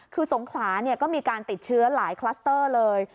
คือสงขลาก็มีการติดเชื้อหลายคลัสเตอร์เลย